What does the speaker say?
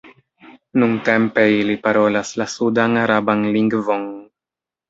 Nuntempe ili parolas la sudan-araban lingvon.